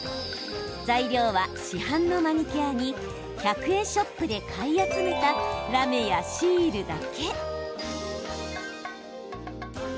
材料は、市販のマニキュアに１００円ショップで買い集めたラメやシールだけ。